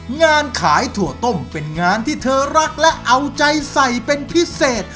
งานขายถั่วต้มเป็นงานที่เธอรักและเอาใจใส่เป็นพิเศษ